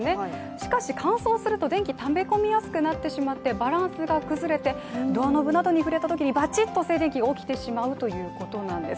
しかし乾燥すると電気をため込みやすくなってしまって、バランスが崩れてドアノブなどに触れたときにバチッと静電気が起きてしまうということなんです。